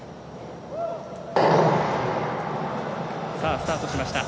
スタートしました。